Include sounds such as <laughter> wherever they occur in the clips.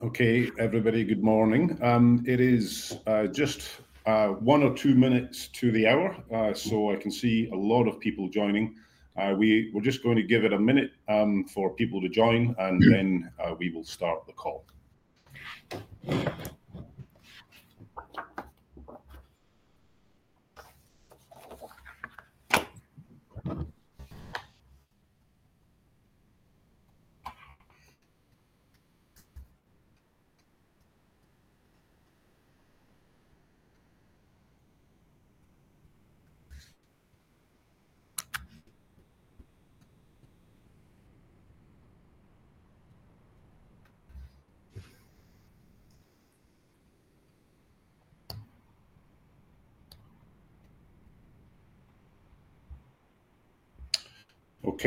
Okay, everybody, good morning. It is just one or two minutes to the hour. I can see a lot of people joining. We're just going to give it a minute for people to join, and then we will start the call.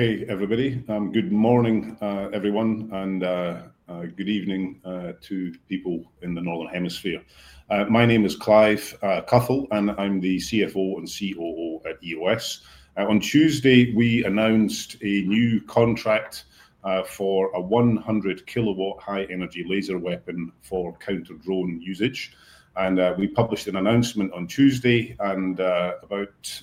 Okay, everybody, good morning, everyone, and good evening to people in the Northern Hemisphere. My name is Clive Cuthell, and I'm the CFO and COO at EOS. On Tuesday, we announced a new contract for a 100 kW high-energy laser weapon for counter-drone usage. We published an announcement on Tuesday, and about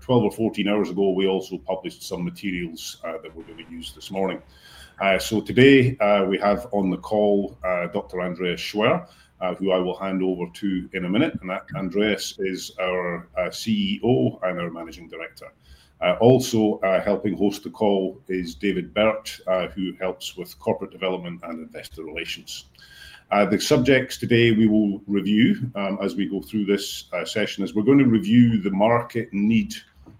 12 or 14 hours ago, we also published some materials that we're going to use this morning. Today, we have on the call Dr. Andreas Schwer, who I will hand over to in a minute. Andreas is our CEO and our Managing Director. Also helping host the call is David Bert, who helps with Corporate Development and Investor Relations. The subjects today we will review as we go through this session are: we're going to review the market need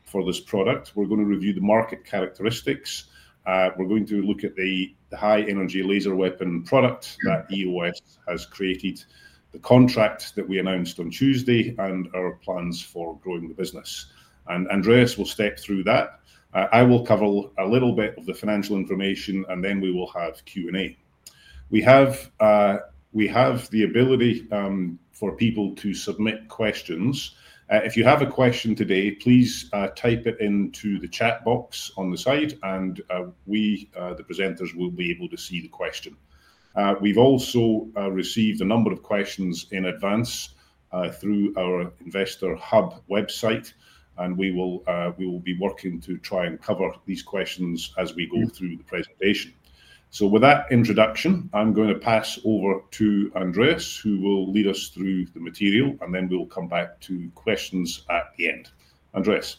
for this product, we're going to review the market characteristics, we're going to look at the high-energy laser weapon product that EOS has created, the contract that we announced on Tuesday, and our plans for growing the business. Andreas will step through that. I will cover a little bit of the financial information, and then we will have Q&A. We have the ability for people to submit questions. If you have a question today, please type it into the chat box on the side, and we, the presenters, will be able to see the question. We've also received a number of questions in advance through our investor hub website, and we will be working to try and cover these questions as we go through the presentation. With that introduction, I'm going to pass over to Andreas, who will lead us through the material, and then we'll come back to questions at the end. Andreas?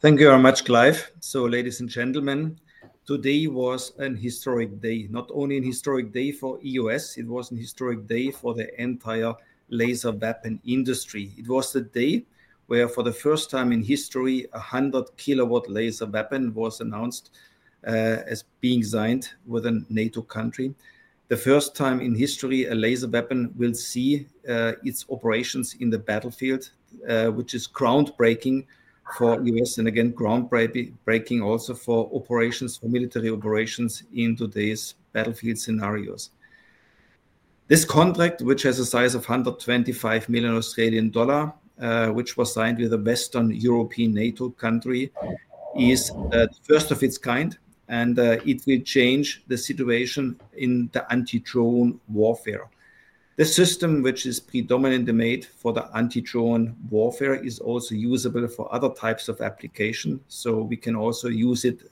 Thank you very much, Clive. Ladies and gentlemen, today was a historic day, not only a historic day for EOS, it was a historic day for the entire laser weapon industry. It was a day where, for the first time in history, a 100 kW laser weapon was announced as being designed within a NATO country. The first time in history, a laser weapon will see its operations in the battlefield, which is groundbreaking for EOS, and again, groundbreaking also for operations, for military operations in today's battlefield scenarios. This contract, which has a size of 125 million Australian dollar, which was signed with a Western European NATO country, is the first of its kind, and it will change the situation in the anti-drone warfare. This system, which is predominantly made for the anti-drone warfare, is also usable for other types of applications. We can also use it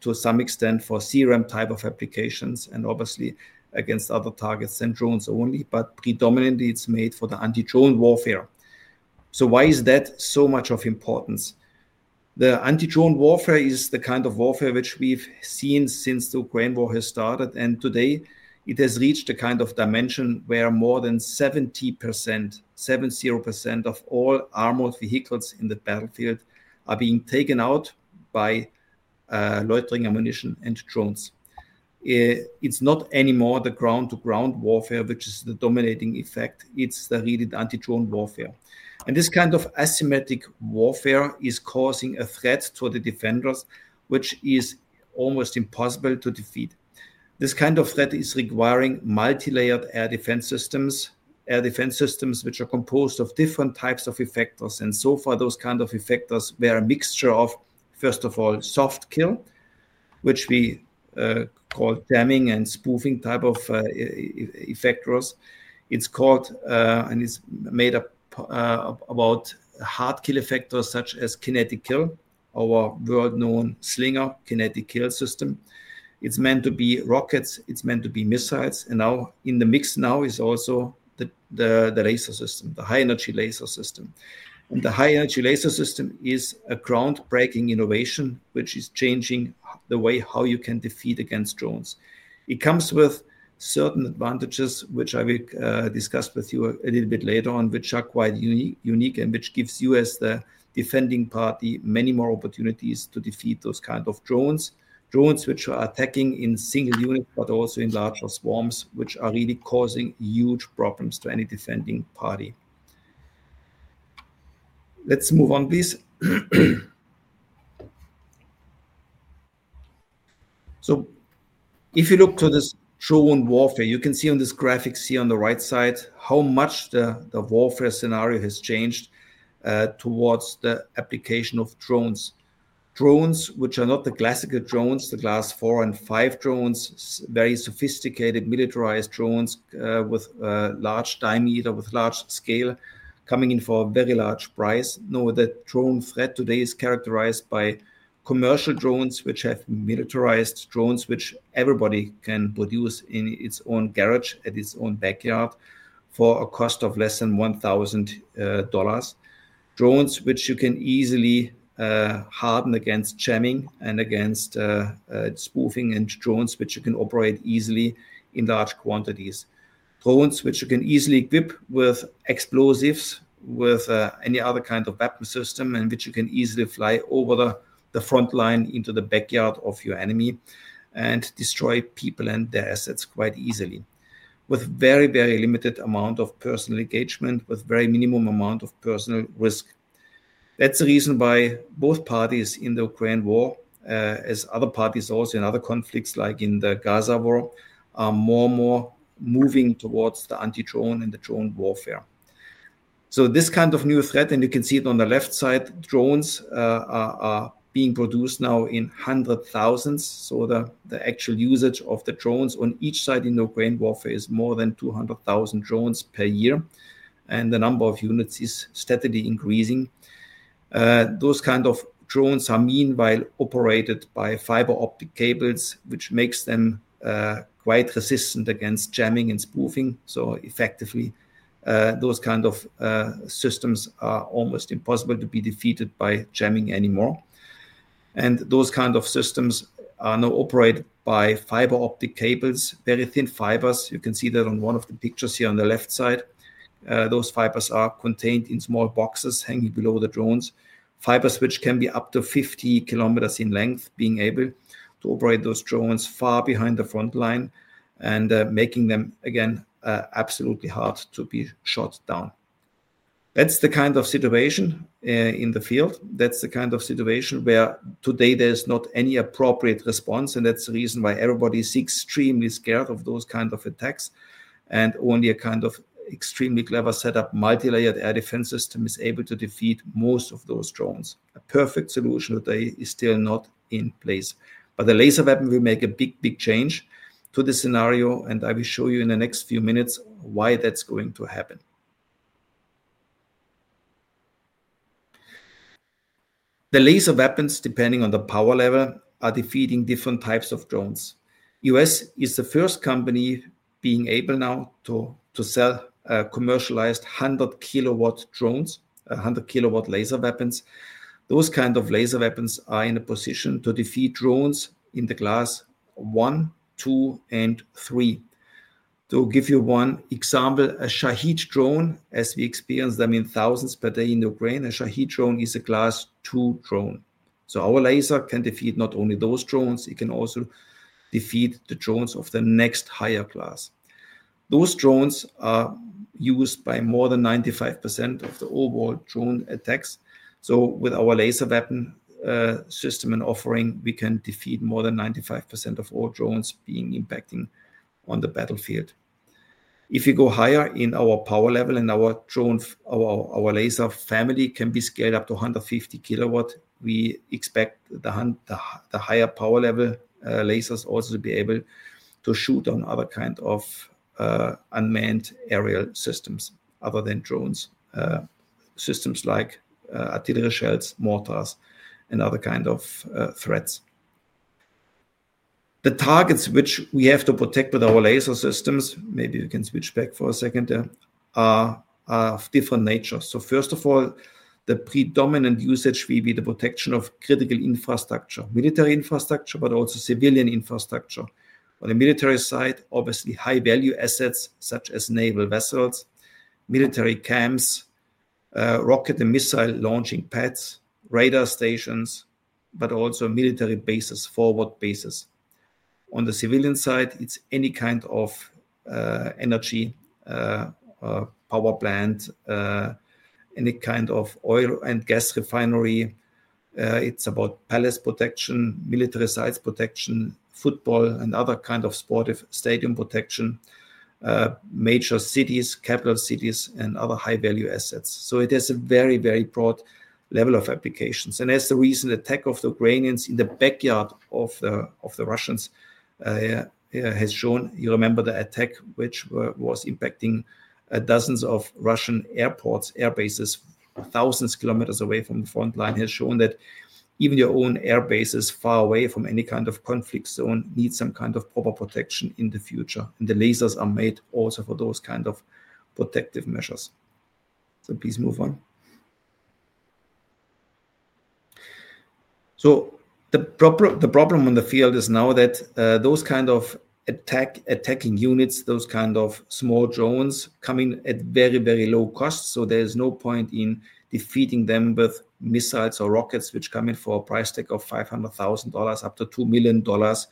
to some extent for CRAM type of applications, and obviously against other targets and drones only, but predominantly it's made for the anti-drone warfare. Why is that so much of importance? The anti-drone warfare is the kind of warfare which we've seen since the Ukraine war has started, and today it has reached the kind of dimension where more than 70% of all armored vehicles in the battlefield are being taken out by loitering ammunition and drones. It's not anymore the ground-to-ground warfare, which is the dominating effect. It's the really anti-drone warfare. This kind of asymmetric warfare is causing a threat to the defenders, which is almost impossible to defeat. This kind of threat is requiring multi-layered air defense systems, air defense systems which are composed of different types of effectors, and so far those kinds of effectors were a mixture of, first of all, soft kill, which we call jamming and spoofing types of effectors. It's made up of hard kill effectors such as kinetic kill, our world-known Slinger kinetic kill system. It's meant to be rockets, it's meant to be missiles, and now in the mix now is also the laser system, the high-energy laser system. The high-energy laser system is a groundbreaking innovation which is changing the way how you can defeat against drones. It comes with certain advantages which I will discuss with you a little bit later on, which are quite unique and which give you as the defending party many more opportunities to defeat those kinds of drones. Drones which are attacking in single units, but also in larger swarms, are really causing huge problems to any defending party. Let's move on, please. If you look to this drone warfare, you can see on this graphic here on the right side how much the warfare scenario has changed towards the application of drones. Drones which are not the classical drones, the class four and five drones, very sophisticated militarized drones with large diameter, with large scale, coming in for a very large price. No, the drone threat today is characterized by commercial drones, militarized drones which everybody can produce in its own garage, at its own backyard, for a cost of less than 1,000 dollars. Drones which you can easily harden against jamming and against spoofing, and drones which you can operate easily in large quantities. Drones which you can easily equip with explosives, with any other kind of weapon system, and which you can easily fly over the front line into the backyard of your enemy and destroy people and their assets quite easily, with a very, very limited amount of personal engagement, with a very minimum amount of personal risk. That's the reason why both parties in the Ukraine war, as other parties also in other conflicts like in the Gaza war, are more and more moving towards the anti-drone and the drone warfare. This kind of new threat, and you can see it on the left side, drones are being produced now in hundred thousands. The actual usage of the drones on each side in the Ukraine warfare is more than 200,000 drones per year, and the number of units is steadily increasing. Those kinds of drones are meanwhile operated by fiber optic cables, which makes them quite resistant against jamming and spoofing. Effectively, those kinds of systems are almost impossible to be defeated by jamming anymore. Those kinds of systems are now operated by fiber optic cables, very thin fibers. You can see that on one of the pictures here on the left side. Those fibers are contained in small boxes hanging below the drones, fibers which can be up to 50 km in length, being able to operate those drones far behind the front line and making them again absolutely hard to be shot down. That's the kind of situation in the field. That's the kind of situation where today there's not any appropriate response, and that's the reason why everybody is extremely scared of those kinds of attacks. Only a kind of extremely clever setup, multi-layered air defense system is able to defeat most of those drones. A perfect solution today is still not in place. The laser weapon will make a big, big change to this scenario, and I will show you in the next few minutes why that's going to happen. The laser weapons, depending on the power level, are defeating different types of drones. EOS is the first company being able now to sell commercialized 100 kW drones, 100 kW laser weapons. Those kinds of laser weapons are in a position to defeat drones in the class one, two, and three. To give you one example, a Shahed drone, as we experience them in thousands per day in Ukraine, a Shahed drone is a class two drone. Our laser can defeat not only those drones, it can also defeat the drones of the next higher class. Those drones are used by more than 95% of the overall drone attacks. With our laser weapon system and offering, we can defeat more than 95% of all drones being impacting on the battlefield. If you go higher in our power level, and our laser family can be scaled up to 150 kW, we expect the higher power level lasers also to be able to shoot on other kinds of unmanned aerial systems other than drones, systems like artillery shells, mortars, and other kinds of threats. The targets which we have to protect with our laser systems, maybe you can switch back for a second, are of different nature. First of all, the predominant usage will be the protection of critical infrastructure, military infrastructure, but also civilian infrastructure. On the military side, obviously high-value assets such as naval vessels, military camps, rocket and missile launching pads, radar stations, but also military bases, forward bases. On the civilian side, it's any kind of energy power plant, any kind of oil and gas refinery. It's about palace protection, military sites protection, football and other kinds of sports stadium protection, major cities, capital cities, and other high-value assets. It has a very, very broad level of applications. As the recent attack of the Ukrainians in the backyard of the Russians has shown, you remember the attack which was impacting dozens of Russian airports, air bases thousands of kilometers away from the front line, has shown that even your own air bases far away from any kind of conflict zone need some kind of proper protection in the future. The lasers are made also for those kinds of protective measures. Please move on. The problem in the field is now that those kinds of attacking units, those kinds of small drones, are coming at very, very low costs. There is no point in defeating them with missiles or rockets which come in for a price tag of 500,000 dollars up to 2 million dollars.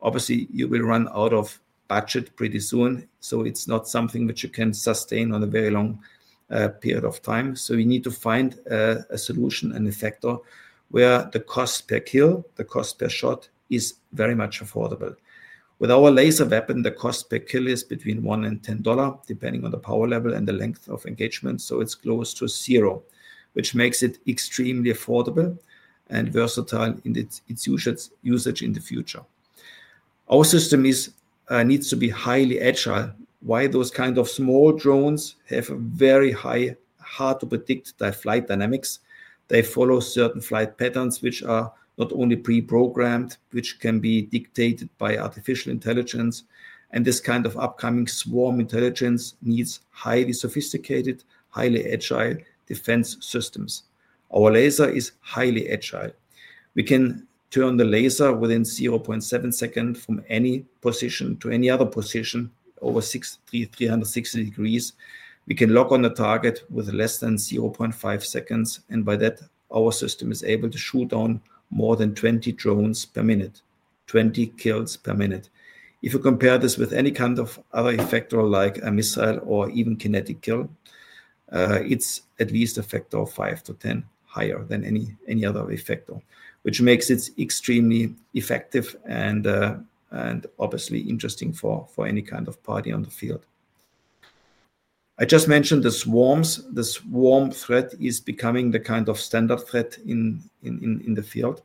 Obviously, you will run out of budget pretty soon. It is not something which you can sustain for a very long period of time. You need to find a solution, an effector, where the cost per kill, the cost per shot, is very much affordable. With our laser weapon, the cost per kill is between 1 and 10 dollar depending on the power level and the length of engagement. It is close to zero, which makes it extremely affordable and versatile in its usage in the future. Our system needs to be highly agile. Those kinds of small drones have very high, hard to predict flight dynamics. They follow certain flight patterns which are not only pre-programmed, but can be dictated by artificial intelligence. This kind of upcoming swarm intelligence needs highly sophisticated, highly agile defense systems. Our laser is highly agile. We can turn the laser within 0.7 seconds from any position to any other position over 360 degrees. We can lock on the target with less than 0.5 seconds, and by that, our system is able to shoot down more than 20 drones per minute, 20 kills per minute. If you compare this with any kind of other effector like a missile or even kinetic kill, it is at least a factor of 5-10 higher than any other effector, which makes it extremely effective and obviously interesting for any kind of party on the field. I just mentioned the swarms. The swarm threat is becoming the kind of standard threat in the field.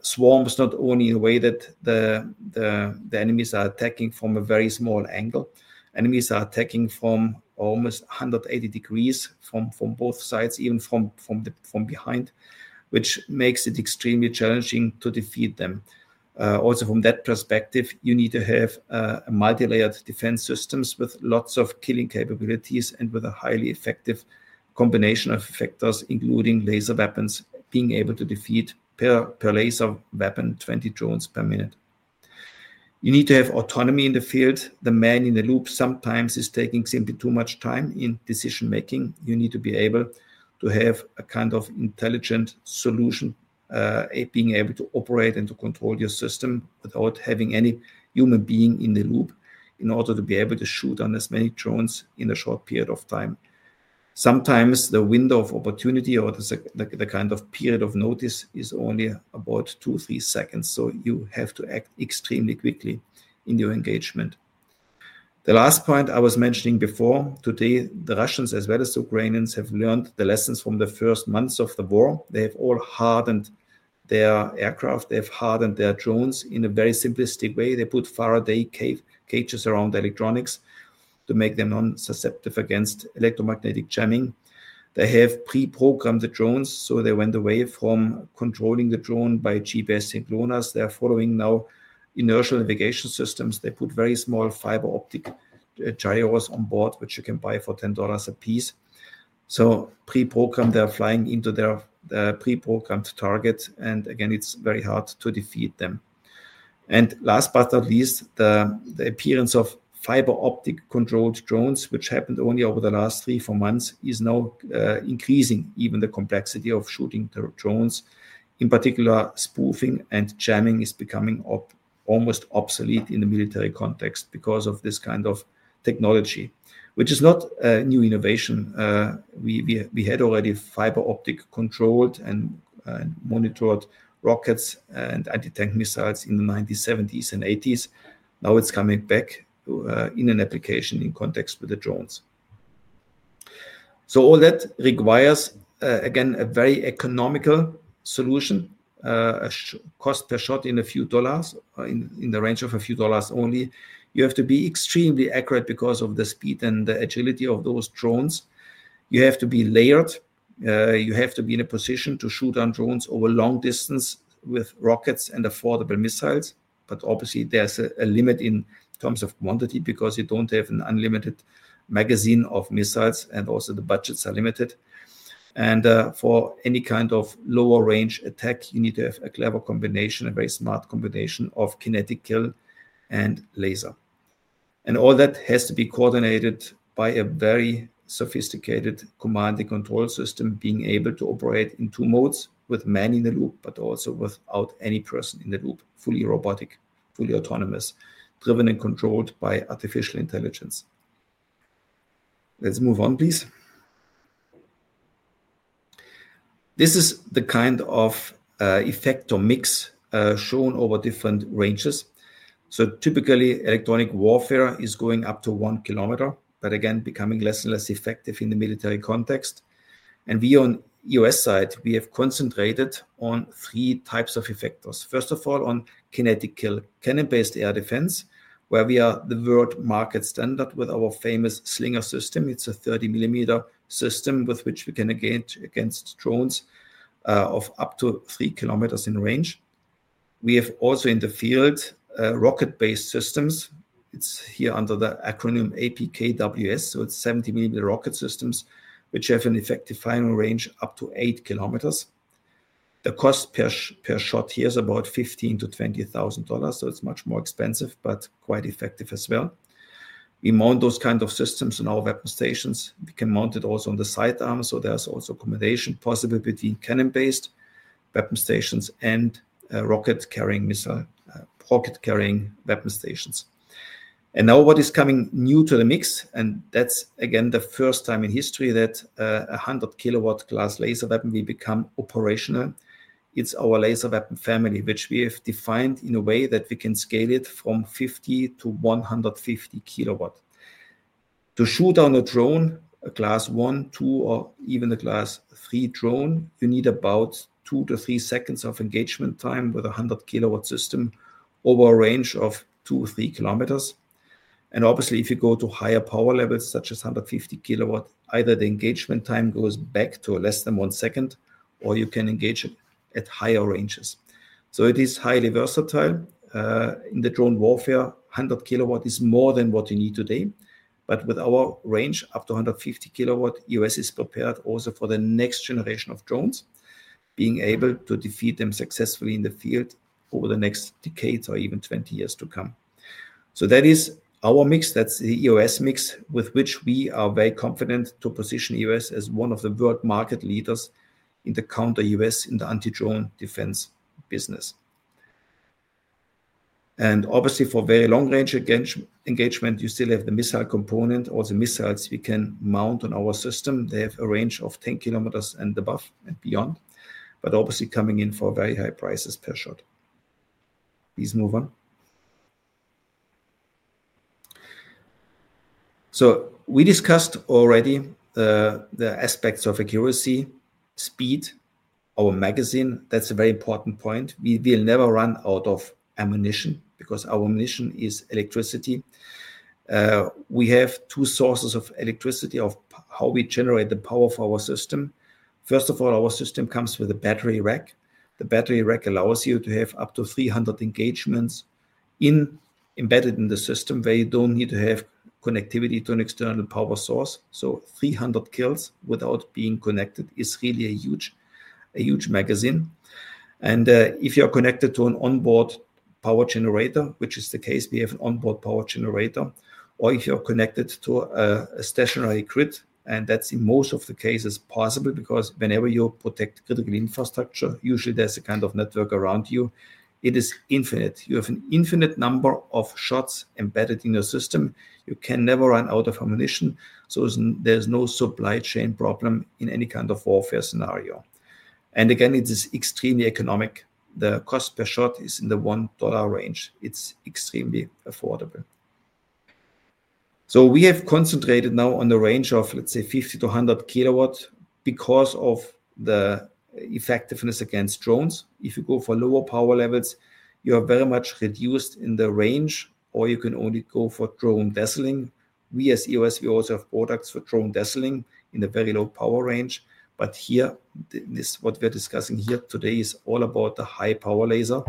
Swarms are not only in a way that the enemies are attacking from a very small angle. Enemies are attacking from almost 180 degrees from both sides, even from behind, which makes it extremely challenging to defeat them. Also, from that perspective, you need to have multi-layered defense systems with lots of killing capabilities and with a highly effective combination of effectors, including laser weapons, being able to defeat per laser weapon 20 drones per minute. You need to have autonomy in the field. The man in the loop sometimes is taking simply too much time in decision-making. You need to be able to have a kind of intelligent solution, being able to operate and to control your system without having any human being in the loop in order to be able to shoot on as many drones in a short period of time. Sometimes the window of opportunity or the kind of period of notice is only about two, three seconds. You have to act extremely quickly in your engagement. The last point I was mentioning before, today, the Russians as well as the Ukrainians have learned the lessons from the first months of the war. They have all hardened their aircraft. They've hardened their drones in a very simplistic way. They put Faraday cages around electronics to make them non-susceptible against electromagnetic jamming. They have pre-programmed the drones, so they went away from controlling the drone by GPS signals. They're following now inertial navigation systems. They put very small fiber optic gyro on board, which you can buy for 10 dollars a piece. Pre-programmed, they're flying into their pre-programmed targets, and again, it's very hard to defeat them. Last but not least, the appearance of fiber optic controlled drones, which happened only over the last three, four months, is now increasing. Even the complexity of shooting drones, in particular spoofing and jamming, is becoming almost obsolete in the military context because of this kind of technology, which is not a new innovation. We had already fiber optic controlled and monitored rockets and anti-tank missiles in the 1970s and 1980s. Now it's coming back in an application in context with the drones. All that requires, again, a very economical solution, a cost per shot in a few dollars, in the range of a few dollars only. You have to be extremely accurate because of the speed and the agility of those drones. You have to be layered. You have to be in a position to shoot on drones over long distance with rockets and affordable missiles. Obviously, there's a limit in terms of quantity because you don't have an unlimited magazine of missiles, and also the budgets are limited. For any kind of lower range attack, you need to have a clever combination, a very smart combination of kinetic kill and laser. All that has to be coordinated by a very sophisticated command and control system, being able to operate in two modes, with man in the loop, but also without any person in the loop, fully robotic, fully autonomous, driven and controlled by artificial intelligence. Let's move on, please. This is the kind of effector mix shown over different ranges. Typically, electronic warfare is going up to 1 km, but again, becoming less and less effective in the military context. On the EOS side, we have concentrated on three types of effectors. First of all, on kinetic kill, cannon-based air defense, where we are the world market standard with our famous Slinger system. It's a 30 mm system with which we can engage against drones of up to 3 km in range. We have also in the field rocket-based systems. It's here under the acronym APKWS. It's 70 mm rocket systems, which have an effective final range up to eight kilometers. The cost per shot here is about 15,000-20,000 dollars. It's much more expensive, but quite effective as well. We mount those kinds of systems in our weapon stations. We can mount it also on the side arms. There's also a combination possible between cannon-based weapon stations and rocket carrying weapon stations. What is coming new to the mix, and that's again the first time in history that a 100 kW class laser weapon will become operational, it's our laser weapon family, which we have defined in a way that we can scale it from 50-150 kW. To shoot down a drone, a class one, two, or even a class three drone, you need about two to three seconds of engagement time with a 100 kW system over a range of 2 km, 3 km. Obviously, if you go to higher power levels, such as 150 kW, either the engagement time goes back to less than one second, or you can engage at higher ranges. It is highly versatile. In the drone warfare, 100 kW is more than what you need today. With our range up to 150 kW, EOS is prepared also for the next generation of drones, being able to defeat them successfully in the field over the next decade or even 20 years to come. That is our mix. That's the EOS mix with which we are very confident to position EOS as one of the world market leaders in the counter-drone, in the anti-drone defense business. Obviously, for very long range engagement, you still have the missile component. All the missiles we can mount on our system, they have a range of 10 km and above and beyond, but obviously coming in for very high prices per shot. Please move on. We discussed already the aspects of accuracy, speed, our magazine. That's a very important point. We will never run out of ammunition because our ammunition is electricity. We have two sources of electricity of how we generate the power for our system. First of all, our system comes with a battery rack. The battery rack allows you to have up to 300 engagements embedded in the system where you don't need to have connectivity to an external power source. 300 kills without being connected is really a huge magazine. If you're connected to an onboard power generator, which is the case, we have an onboard power generator, or if you're connected to a stationary grid, and that's in most of the cases possible because whenever you protect critical infrastructure, usually there's a kind of network around you. It is infinite. You have an infinite number of shots embedded in your system. You can never run out of ammunition. There's no supply chain problem in any kind of warfare scenario. It is extremely economic. The cost per shot is in the 1 dollar range. It's extremely affordable. We have concentrated now on the range of, let's say, 50-100 kW because of the effectiveness against drones. If you go for lower power levels, you are very much reduced in the range, or you can only go for drone dazzling. We as EOS, we also have products for drone dazzling in a very low power range. What we are discussing here today is all about the high power laser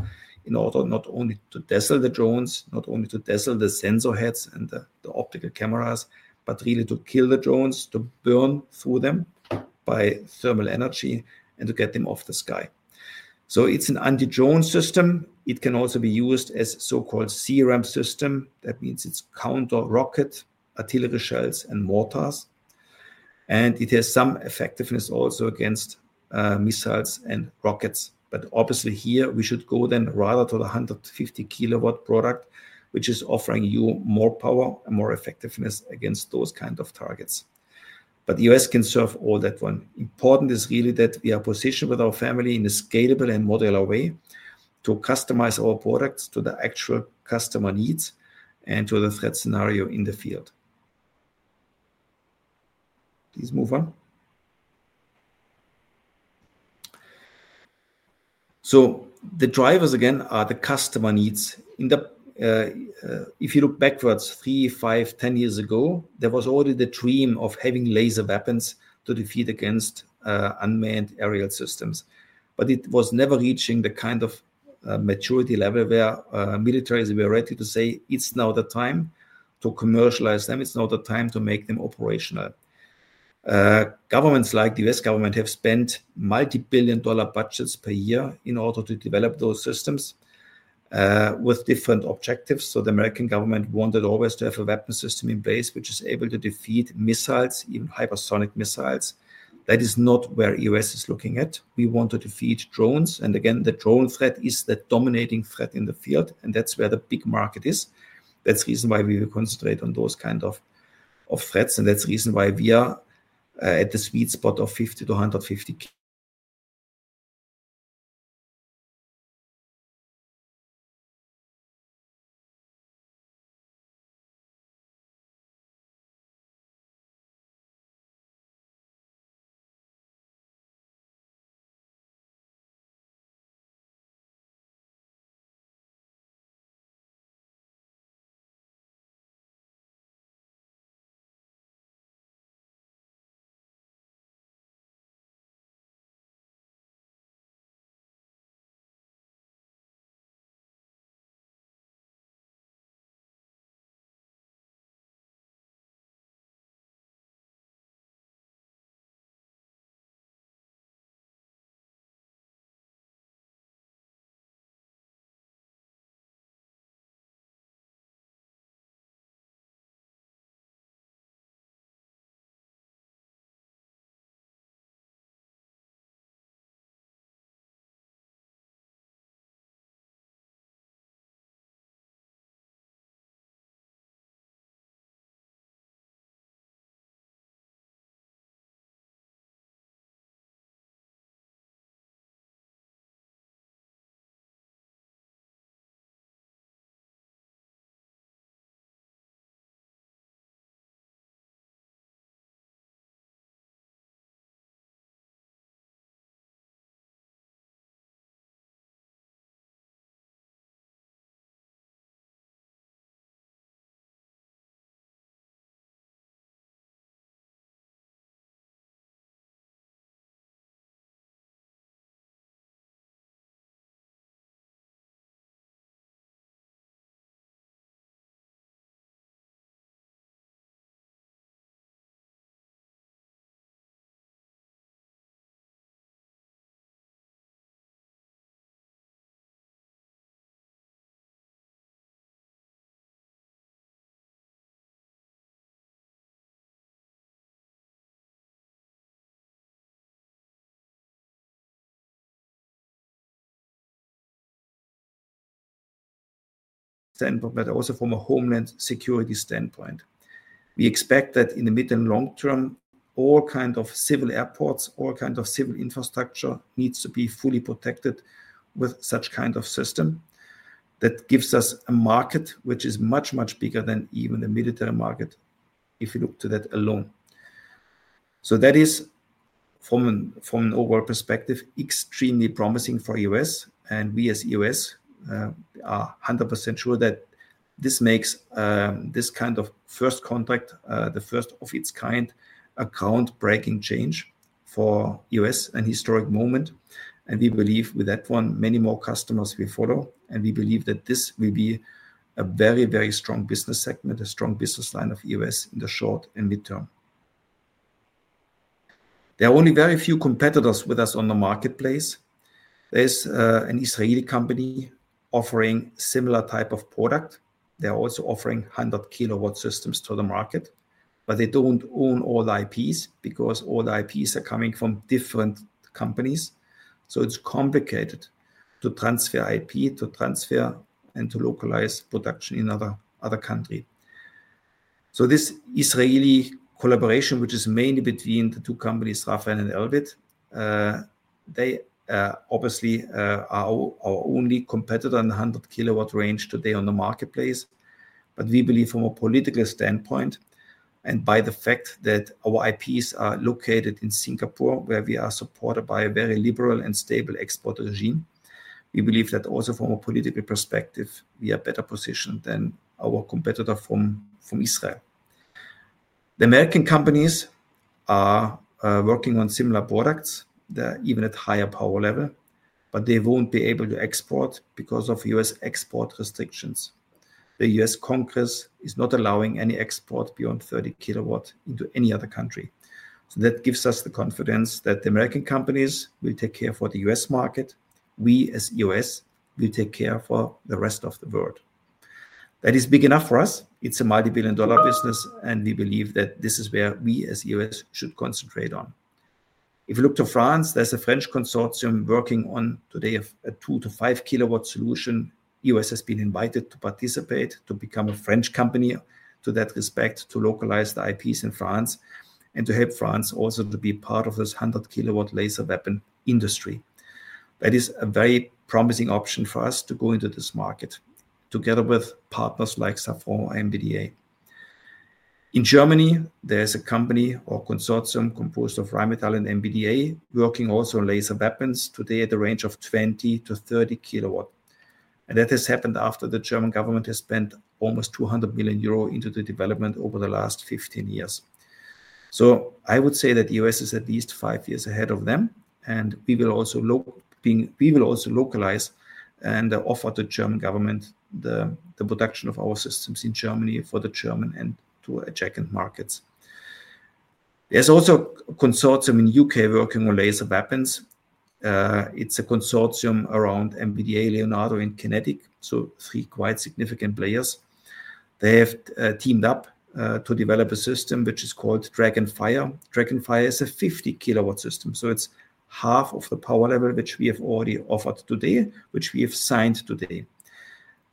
in order not only to dazzle the drones, not only to dazzle the sensor heads and the optical cameras, but really to kill the drones, to burn through them by thermal energy and to get them off the sky. It's an anti-drone system. It can also be used as a so-called CRAM system. That means it's counter rocket, artillery shells, and mortars. It has some effectiveness also against missiles and rockets. Obviously here we should go then rather to the 150 kW product, which is offering you more power and more effectiveness against those kinds of targets. EOS can serve all that one. Important is really that we are positioned with our family in a scalable and modular way to customize our products to the actual customer needs and to the threat scenario in the field. Please move on. The drivers again are the customer needs. If you look backwards three, five, 10 years ago, there was already the dream of having laser weapons to defeat against unmanned aerial systems. It was never reaching the kind of maturity level where militaries were ready to say it's now the time to commercialize them. It's now the time to make them operational. Governments like the U.S. government have spent multi-billion dollar budgets per year in order to develop those systems with different objectives. The American government wanted always to have a weapon system in place which is able to defeat missiles, even hypersonic missiles. That is not where EOS is looking at. We want to defeat drones. Again, the drone threat is the dominating threat in the field. That's where the big market is. That's the reason why we will concentrate on those kinds of threats. That's the reason why we are at the sweet spot of 50-150 kW <audio distortion> but also from a homeland security standpoint. We expect that in the middle and long term, all kinds of civil airports, all kinds of civil infrastructure need to be fully protected with such kinds of systems. That gives us a market which is much, much bigger than even the military market, if you look to that alone. That is, from an overall perspective, extremely promising for EOS. We as EOS are 100% sure that this makes this kind of first contract, the first of its kind, a groundbreaking change for EOS, a historic moment. We believe with that one, many more customers will follow. We believe that this will be a very, very strong business segment, a strong business line of EOS in the short and mid term. There are only very few competitors with us on the marketplace. There's an Israeli company offering a similar type of product. They're also offering 100 kW systems to the market. They don't own all IP because all IP is coming from different companies. It's complicated to transfer IP, to transfer, and to localize production in another country. This Israeli collaboration, which is mainly between the two companies, Rafael and Elbit, obviously are our only competitor in the 100 kW range today on the marketplace. We believe from a political standpoint, and by the fact that our IP is located in Singapore, where we are supported by a very liberal and stable export regime, we believe that also from a political perspective, we are better positioned than our competitor from Israel. The American companies are working on similar products, even at a higher power level, but they won't be able to export because of U.S. export restrictions. The U.S. Congress is not allowing any export beyond 30 kW into any other country. That gives us the confidence that the American companies will take care of the U.S. market. We as EOS will take care of the rest of the world. That is big enough for us. It's a multi-billion dollar business, and we believe that this is where we as EOS should concentrate on. If you look to France, there's a French consortium working on today a 2-5 kW solution. EOS has been invited to participate to become a French company to that respect, to localize the IP in France, and to help France also to be part of this 100 kW laser weapon industry. That is a very promising option for us to go into this market together with partners like Safran and MBDA. In Germany, there's a company or consortium composed of Rheinmetall and MBDA working also on laser weapons today at a range of 20-30 kW. That has happened after the German government has spent almost 200 million euro into the development over the last 15 years. I would say that EOS is at least five years ahead of them. We will also localize and offer the German government the production of our systems in Germany for the German and to the German markets. There's also a consortium in the U.K. working on laser weapons. It's a consortium around MBDA, Leonardo, and QinetiQ. Three quite significant players have teamed up to develop a system which is called DragonFire. DragonFire is a 50 kW system. It's half of the power level which we have already offered today, which we have signed today.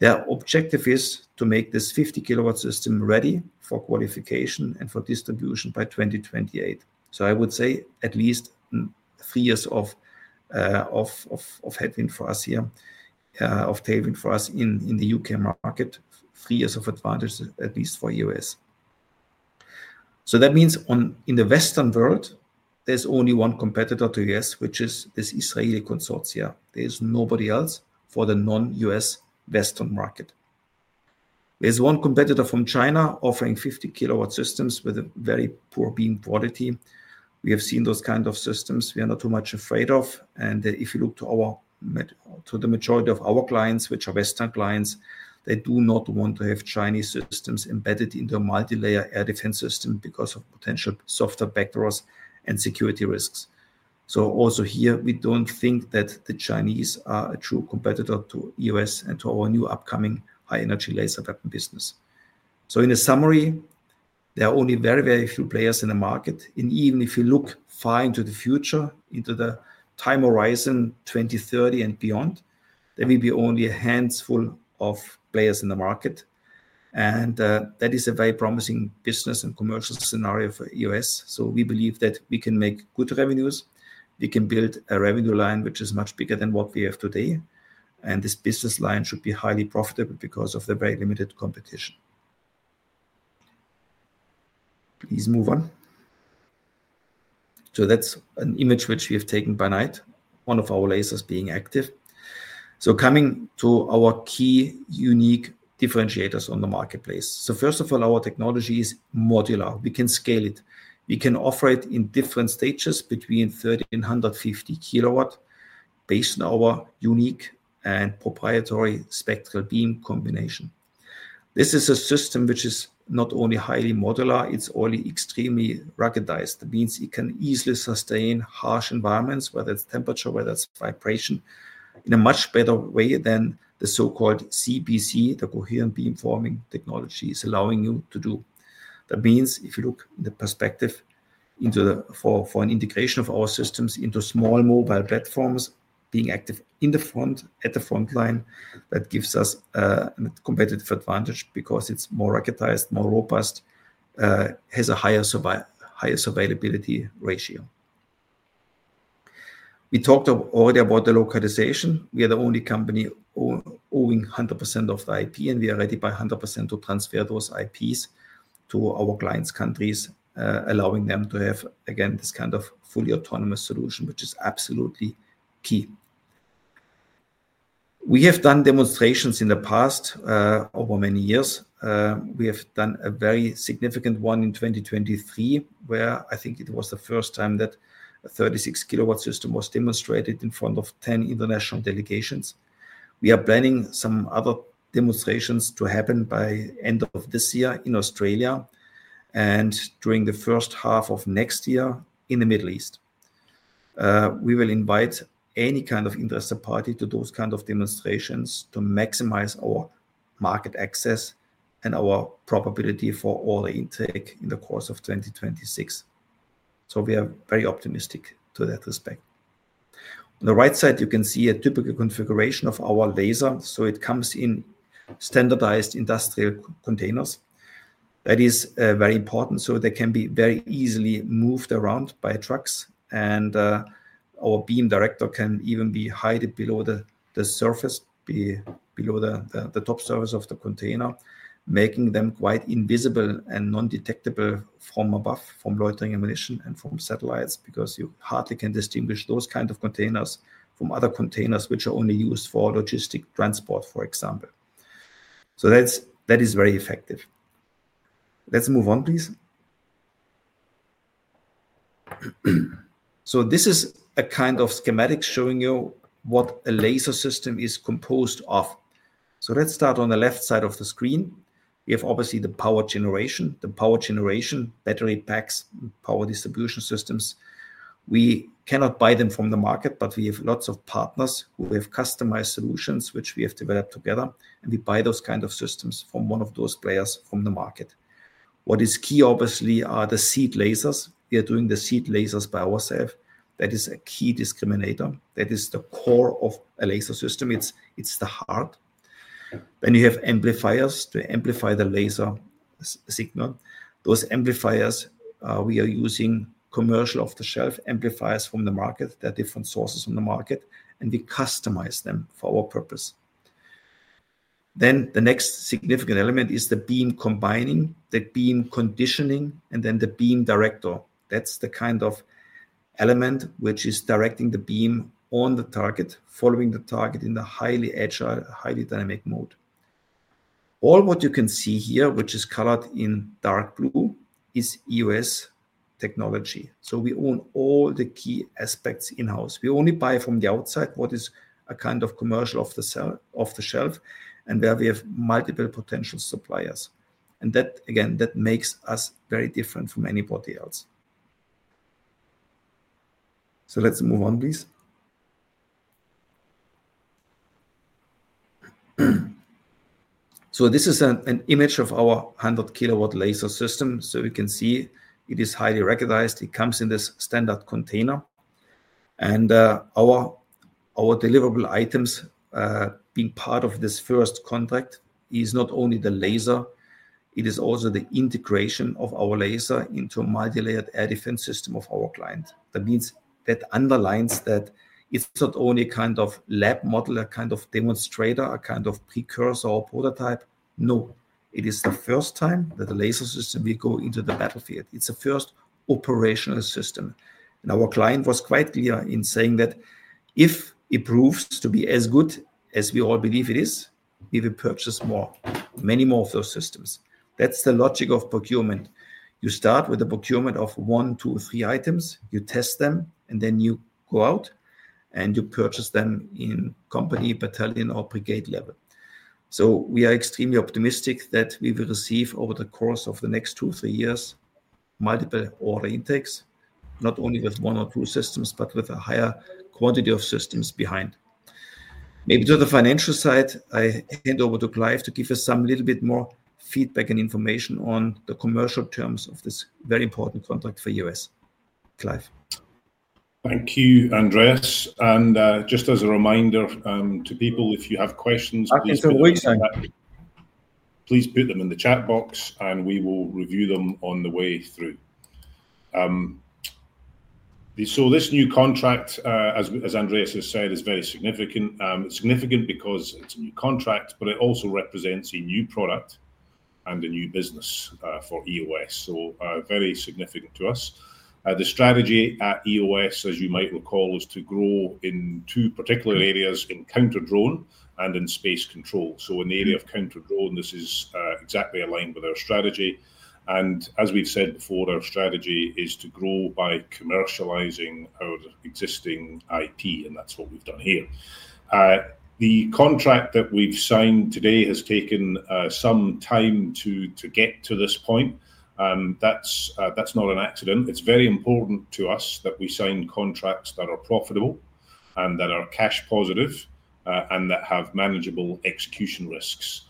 Their objective is to make this 50 kW system ready for qualification and for distribution by 2028. I would say at least three years of headwind for us here, of tailwind for us in the U.K. market, three years of advantage at least for EOS. That means in the Western world, there's only one competitor to EOS, which is this Israeli consortium. There's nobody else for the non-EOS Western market. There's one competitor from China offering 50 kW systems with a very poor beam quality. We have seen those kinds of systems. We are not too much afraid of. If you look to the majority of our clients, which are Western clients, they do not want to have Chinese systems embedded in their multi-layered air defense systems because of potential software backdoors and security risks. Here, we don't think that the Chinese are a true competitor to EOS and to our new upcoming high-energy laser weapon business. In summary, there are only very, very few players in the market. Even if you look far into the future, into the time horizon 2030 and beyond, there will be only a handful of players in the market. That is a very promising business and commercial scenario for EOS. We believe that we can make good revenues. We can build a revenue line which is much bigger than what we have today. This business line should be highly profitable because of the very limited competition. Please move on. That's an image which we have taken by night, one of our lasers being active. Coming to our key unique differentiators on the marketplace, first of all, our technology is modular. We can scale it. We can offer it in different stages between 30 and 150 kW based on our unique and proprietary spectral beam combination. This is a system which is not only highly modular, it's also extremely ruggedized. That means it can easily sustain harsh environments, whether it's temperature or vibration, in a much better way than the so-called CBC, the coherent beam forming technology, is allowing you to do. That means if you look at the perspective into the integration of our systems into small mobile platforms, being active at the front line, that gives us a competitive advantage because it's more ruggedized, more robust, has a higher survivability ratio. We talked already about the localization. We are the only company owning 100% of the IP, and we are ready by 100% to transfer those IPs to our clients' countries, allowing them to have, again, this kind of fully autonomous solution, which is absolutely key. We have done demonstrations in the past over many years. We have done a very significant one in 2023, where I think it was the first time that a 36 kW system was demonstrated in front of 10 international delegations. We are planning some other demonstrations to happen by the end of this year in Australia and during the first half of next year in the Middle East. We will invite any kind of interested party to those kinds of demonstrations to maximize our market access and our probability for all the intake in the course of 2026. We are very optimistic in that respect. On the right side, you can see a typical configuration of our laser. It comes in standardized industrial containers. That is very important. They can be very easily moved around by trucks, and our beam director can even be hiding below the surface, below the top surface of the container, making them quite invisible and non-detectable from above, from loitering ammunition and from satellites, because you hardly can distinguish those kinds of containers from other containers which are only used for logistic transport, for example. That is very effective. Let's move on, please. This is a kind of schematic showing you what a laser system is composed of. Let's start on the left side of the screen. We have obviously the power generation, the power generation battery packs, power distribution systems. We cannot buy them from the market, but we have lots of partners who have customized solutions which we have developed together, and we buy those kinds of systems from one of those players from the market. What is key, obviously, are the seed lasers. We are doing the seed lasers by ourselves. That is a key discriminator. That is the core of a laser system. It's the heart. Then you have amplifiers to amplify the laser signal. Those amplifiers, we are using commercial off-the-shelf amplifiers from the market. There are different sources from the market, and we customize them for our purpose. The next significant element is the beam combining, the beam conditioning, and then the beam director. That's the kind of element which is directing the beam on the target, following the target in the highly agile, highly dynamic mode. All what you can see here, which is colored in dark blue, is EOS technology. We own all the key aspects in-house. We only buy from the outside what is a kind of commercial off-the-shelf and where we have multiple potential suppliers. That, again, makes us very different from anybody else. Let's move on, please. This is an image of our 100 kW laser system. We can see it is highly ruggedized. It comes in this standard container. Our deliverable items, being part of this first contract, is not only the laser. It is also the integration of our laser into a multi-layered air defense system of our client. That means that underlines that it's not only a kind of lab model, a kind of demonstrator, a kind of precursor or prototype. No, it is the first time that the laser system will go into the battlefield. It's the first operational system. Our client was quite clear in saying that if it proves to be as good as we all believe it is, we will purchase more, many more of those systems. That's the logic of procurement. You start with the procurement of one, two, three items. You test them, and then you go out and you purchase them in company, battalion, or brigade level. We are extremely optimistic that we will receive over the course of the next two or three years multiple order intakes, not only with one or two systems, but with a higher quantity of systems behind. Maybe to the financial side, I hand over to Clive to give us some little bit more feedback and information on the commercial terms of this very important contract for EOS. Clive? Thank you, Andreas. Just as a reminder to people, if you have questions, please put them in the chat box, and we will review them on the way through. This new contract, as Andreas just said, is very significant. It's significant because it's a new contract, but it also represents a new product and a new business for EOS. Very significant to us. The strategy at EOS, as you might recall, is to grow in two particular areas: in counter-drone and in space control. In the area of counter-drone, this is exactly aligned with our strategy. As we've said before, our strategy is to grow by commercializing our existing IP, and that's what we've done here. The contract that we've signed today has taken some time to get to this point. That's not an accident. It's very important to us that we sign contracts that are profitable and that are cash positive and that have manageable execution risks.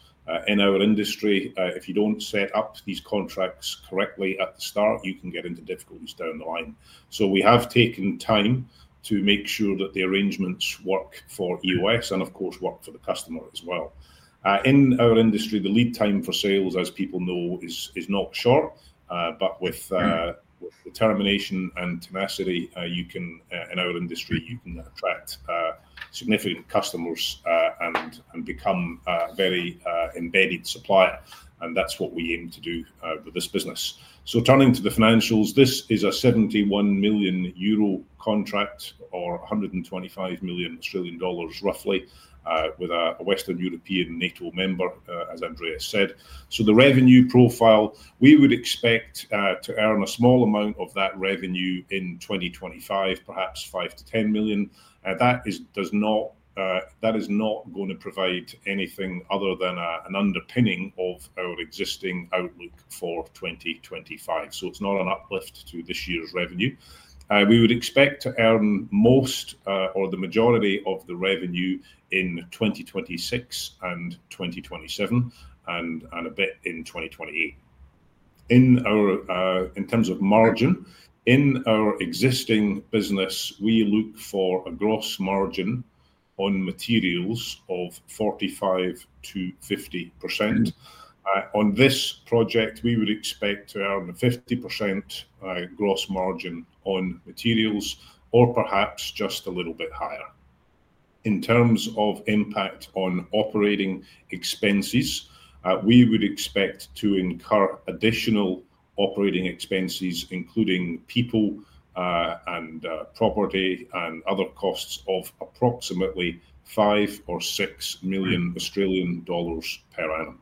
In our industry, if you don't set up these contracts correctly at the start, you can get into difficulties down the line. We have taken time to make sure that the arrangements work for EOS and, of course, work for the customer as well. In our industry, the lead time for sales, as people know, is not short. With determination and tenacity, you can, in our industry, attract significant customers and become a very embedded supplier. That's what we aim to do with this business. Turning to the financials, this is a 71 million euro contract or 125 million Australian dollars roughly with a Western European NATO member, as Andreas said. The revenue profile, we would expect to earn a small amount of that revenue in 2025, perhaps 5 million-10 million. That is not going to provide anything other than an underpinning of our existing outlook for 2025. It's not an uplift to this year's revenue. We would expect to earn most or the majority of the revenue in 2026 and 2027 and a bit in 2028. In terms of margin, in our existing business, we look for a gross margin on materials of 45%-50%. On this project, we would expect to earn a 50% gross margin on materials or perhaps just a little bit higher. In terms of impact on operating expenses, we would expect to incur additional operating expenses, including people and property and other costs of approximately 5 million or 6 million Australian dollars per annum.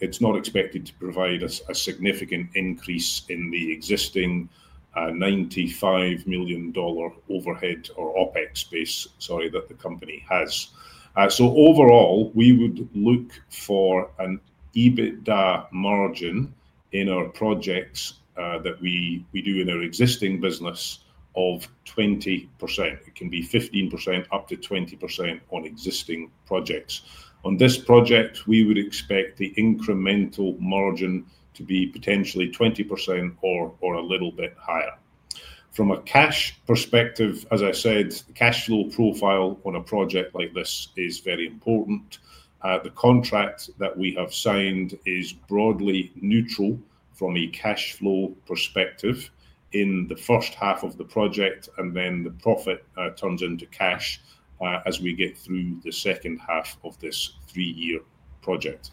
It's not expected to provide us a significant increase in the existing 95 million dollar overhead or OpEx base, sorry, that the company has. Overall, we would look for an EBITDA margin in our projects that we do in our existing business of 20%. It can be 15% up to 20% on existing projects. On this project, we would expect the incremental margin to be potentially 20% or a little bit higher. From a cash perspective, as I said, the cash flow profile on a project like this is very important. The contract that we have signed is broadly neutral from a cash flow perspective in the first half of the project, and then the profit turns into cash as we get through the second half of this three-year project.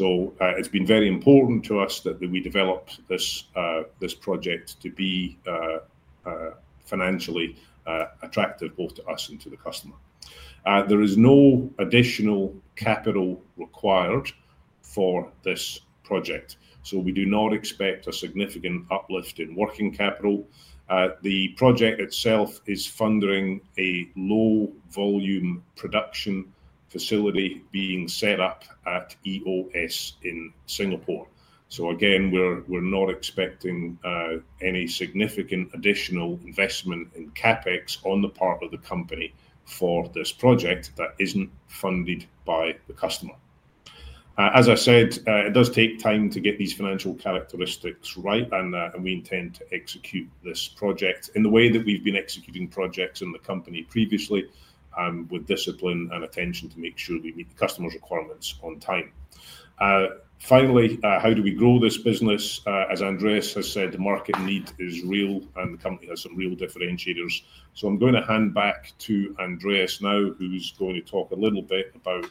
It has been very important to us that we develop this project to be financially attractive both to us and to the customer. There is no additional capital required for this project. We do not expect a significant uplift in working capital. The project itself is funding a low-volume production facility being set up at EOS in Singapore. We are not expecting any significant additional investment in CapEx on the part of the company for this project that isn't funded by the customer. As I said, it does take time to get these financial characteristics right, and we intend to execute this project in the way that we've been executing projects in the company previously, with discipline and attention to make sure we meet the customer's requirements on time. Finally, how do we grow this business? As Andreas has said, the market need is real, and the company has some real differentiators. I'm going to hand back to Andreas now, who's going to talk a little bit about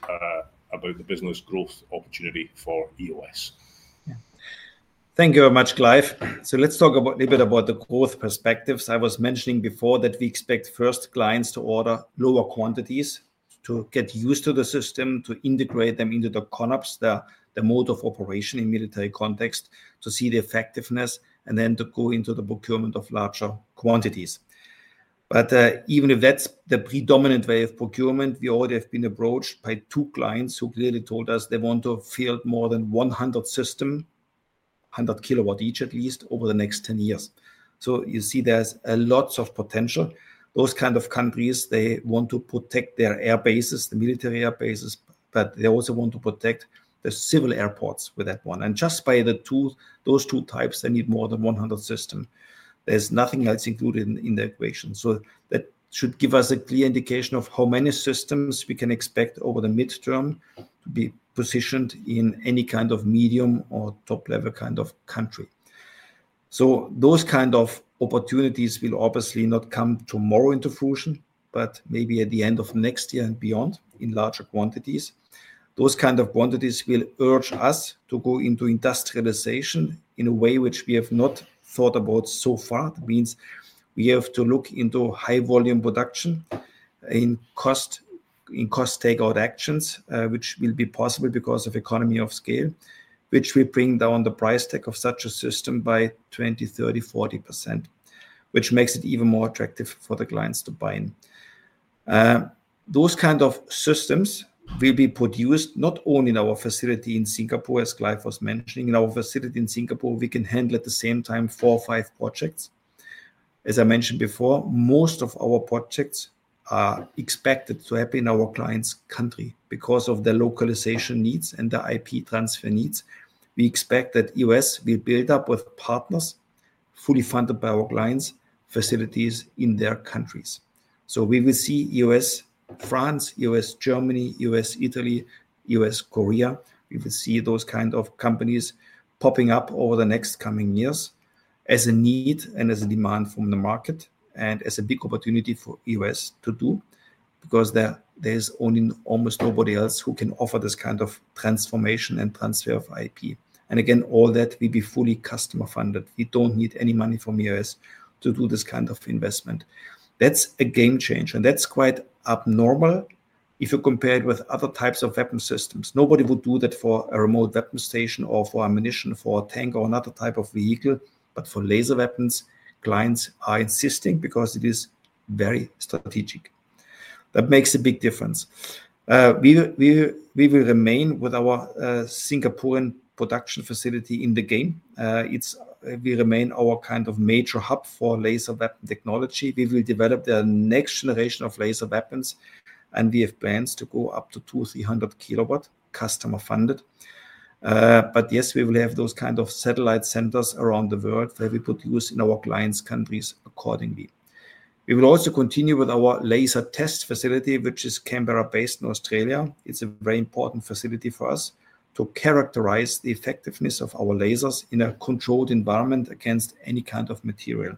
the business growth opportunity for EOS. Thank you very much, Clive. Let's talk a little bit about the growth perspectives. I was mentioning before that we expect first clients to order lower quantities to get used to the system, to integrate them into the CONOPS, the mode of operation in military context, to see the effectiveness, and then to go into the procurement of larger quantities. Even if that's the predominant way of procurement, we already have been approached by two clients who clearly told us they want to field more than 100 systems, 100 kW each at least, over the next 10 years. You see there's lots of potential. Those kinds of countries want to protect their air bases, the military air bases, but they also want to protect the civil airports with that one. Just by those two types, they need more than 100 systems. There's nothing else included in the equation. That should give us a clear indication of how many systems we can expect over the midterm to be positioned in any kind of medium or top-level kind of country. Those kinds of opportunities will obviously not come tomorrow into fruition, but maybe at the end of next year and beyond in larger quantities. Those kinds of quantities will urge us to go into industrialization in a way which we have not thought about so far. That means we have to look into high-volume production in cost takeout actions, which will be possible because of economy of scale, which will bring down the price tag of such a system by 20%, 30%, 40%, which makes it even more attractive for the clients to buy in. Those kinds of systems will be produced not only in our facility in Singapore, as Clive was mentioning. In our facility in Singapore, we can handle at the same time four or five projects. As I mentioned before, most of our projects are expected to happen in our client's country because of their localization needs and their IP transfer needs. We expect that EOS will build up with partners fully funded by our clients' facilities in their countries. We will see EOS France, EOS Germany, EOS Italy, EOS Korea. We will see those kinds of companies popping up over the next coming years as a need and as a demand from the market and as a big opportunity for EOS to do because there is only almost nobody else who can offer this kind of transformation and transfer of IP. Again, all that will be fully customer funded. We don't need any money from EOS to do this kind of investment. That's a game changer, and that's quite abnormal if you compare it with other types of weapon systems. Nobody would do that for a remote weapon system or for ammunition for a tank or another type of vehicle, but for laser weapons, clients are insisting because it is very strategic. That makes a big difference. We will remain with our Singapore production facility in the game. We remain our kind of major hub for laser weapon technology. We will develop the next generation of laser weapons, and we have plans to go up to 200, 300 kW customer funded. We will have those kinds of satellite centers around the world that we produce in our clients' countries accordingly. We will also continue with our laser test facility, which is Canberra based in Australia. It's a very important facility for us to characterize the effectiveness of our lasers in a controlled environment against any kind of material.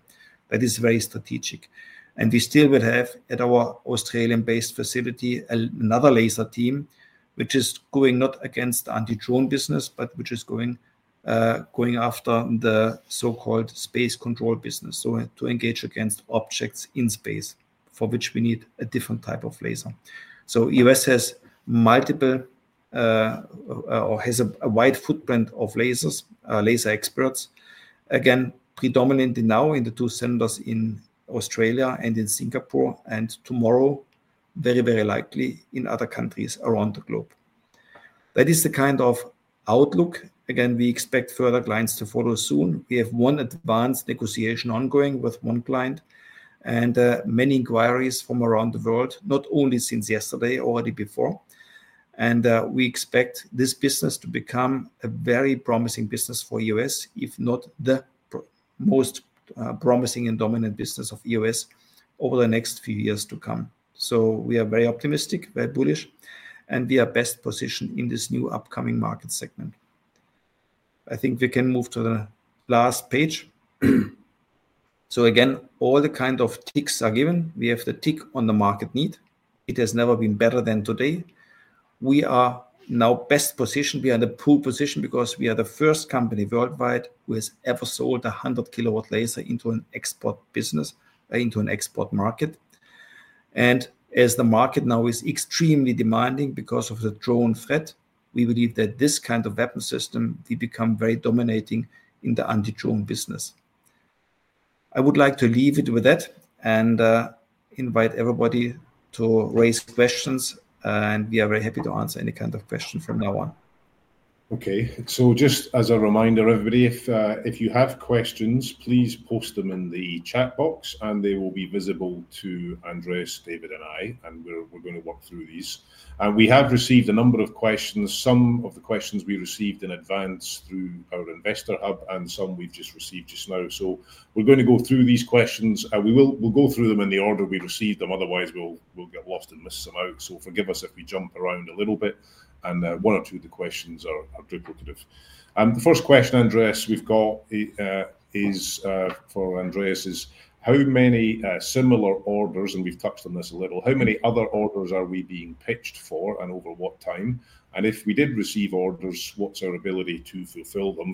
That is very strategic. We still will have at our Australian-based facility another laser team, which is not going against the anti-drone business, but which is going after the so-called space control business, to engage against objects in space for which we need a different type of laser. EOS has multiple or has a wide footprint of lasers, laser experts, predominantly now in the two centers in Australia and in Singapore, and tomorrow, very, very likely in other countries around the globe. That is the kind of outlook. We expect further clients to follow soon. We have one advanced negotiation ongoing with one client and many inquiries from around the world, not only since yesterday, already before. We expect this business to become a very promising business for EOS, if not the most promising and dominant business of EOS over the next few years to come. We are very optimistic, very bullish, and we are best positioned in this new upcoming market segment. I think we can move to the last page. All the kind of ticks are given. We have the tick on the market need. It has never been better than today. We are now best positioned. We are in a pole position because we are the first company worldwide who has ever sold a 100 kW laser into an export business, into an export market. As the market now is extremely demanding because of the drone threat, we believe that this kind of weapon system will become very dominating in the anti-drone business. I would like to leave it with that and invite everybody to raise questions, and we are very happy to answer any kind of question from now on. Okay. Just as a reminder, everybody, if you have questions, please post them in the chat box, and they will be visible to Andreas, David, and I, and we're going to work through these. We have received a number of questions. Some of the questions we received in advance through our investor hub and some we've just received just now. We're going to go through these questions, and we'll go through them in the order we received them. Otherwise, we'll get lost and miss some out. Forgive us if we jump around a little bit, and one or two of the questions are duplicative. The first question, Andreas, we've got is for Andreas: how many similar orders, and we've touched on this a little, how many other orders are we being pitched for and over what time? If we did receive orders, what's our ability to fulfill them?